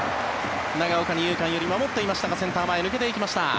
長岡二遊間寄り守っていましたがセンター前へ抜けていきました。